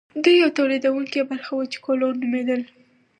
دوی یوه تولیدونکې برخه وه چې کولون نومیدل.